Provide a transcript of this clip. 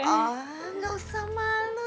oh gak usah malu